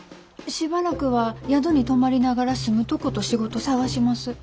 しばらくは宿に泊まりながら住むとこと仕事探します。